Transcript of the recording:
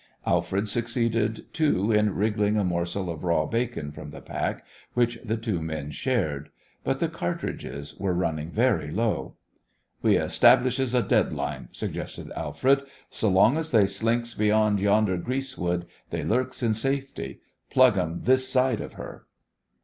Alfred succeeded, too, in wriggling a morsel of raw bacon from the pack, which the two men shared. But the cartridges were running very low. "We establishes a dead line," suggested Alfred. "S' long as they slinks beyond yonder greasewood, they lurks in safety. Plug 'em this side of her."